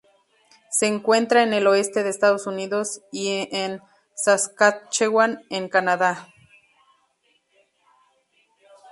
Se encuentra en el oeste de Estados Unidos y en Saskatchewan en Canadá.